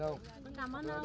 con cảm ơn ông đi